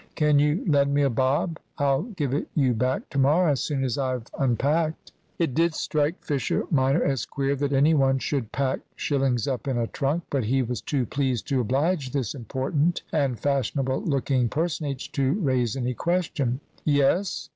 Can you lend me a bob? I'll give it you back to morrow as soon as I've unpacked." It did strike Fisher minor as queer that any one should pack shillings up in a trunk, but he was too pleased to oblige this important and fashionable looking personage to raise any question. "Yes.